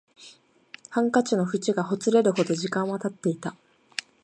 ハンカチの縁がほつれるほど時間は経っていた